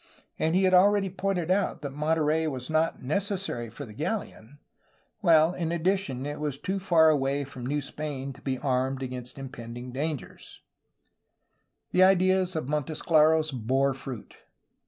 And he had already pointed out that Monterey was not necessary for the galleon, while in addition it was too far away from New Spain to be armed against impending dangers. •Aug. 4, 1607. 142 A HISTORY OF CALIFORNIA The ideas of Montesclaros bore fruit.